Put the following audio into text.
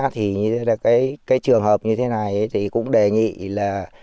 thì cái trường hợp như thế này thì cũng đề nghị là